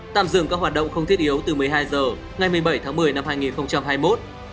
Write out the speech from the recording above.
tạm dừng các hoạt động không thiết yếu từ một mươi hai h ngày một mươi bảy tháng một mươi năm hai nghìn hai mươi một